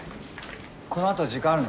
このあと時間あるの？